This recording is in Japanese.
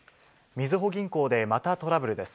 みずほ銀行でまたトラブルです。